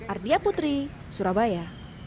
ardia putri surabaya